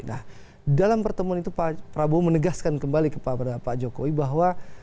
nah dalam pertemuan itu pak prabowo menegaskan kembali kepada pak jokowi bahwa